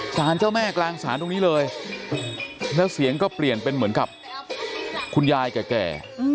สารเจ้าแม่กลางศาลตรงนี้เลยแล้วเสียงก็เปลี่ยนเป็นเหมือนกับคุณยายแก่